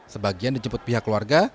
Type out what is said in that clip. sebagian dijemput pihak keluarga